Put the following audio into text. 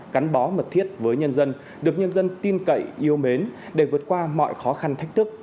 gắn bó mật thiết với nhân dân được nhân dân tin cậy yêu mến để vượt qua mọi khó khăn thách thức